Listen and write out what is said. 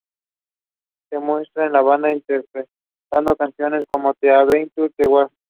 Se muestra a la banda interpretando canciones como "The Adventure", "The War".